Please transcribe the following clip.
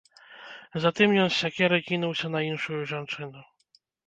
Затым ён з сякерай кінуўся на іншую жанчыну.